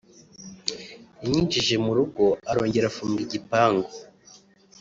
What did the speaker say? yanyinjije mu rugo arongera afunga igipangu